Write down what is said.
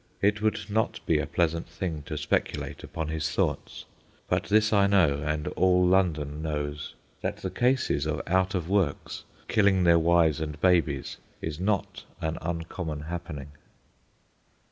It would not be a pleasant thing to speculate upon his thoughts; but this I know, and all London knows, that the cases of out of works killing their wives and babies is not an uncommon happening.